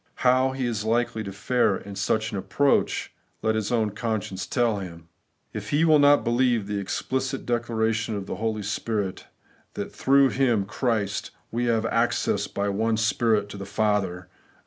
How he is likely to fare in such an approach, let his own conscience tell him, if he will not believe the explicit declaration of the Holy Spirit, that ' through Him (Christ) we have access by one Spirit to the Father ' (Eph.